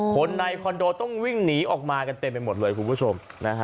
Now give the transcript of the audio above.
คนในคอนโดต้องวิ่งหนีออกมากันเต็มไปหมดเลยคุณผู้ชม